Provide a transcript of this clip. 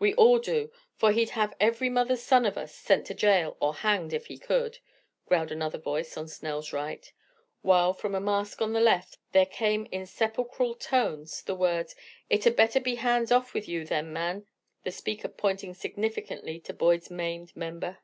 "We all do, for he'd have every mother's son of us sent to jail or hanged, if he could," growled another voice on Snell's right, while from a mask on the left there came in sepulchral tones, the words, "It had better be hands off with you then, man," the speaker pointing significantly to Boyd's maimed member.